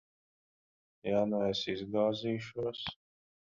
Ja nu es izgāzīšos?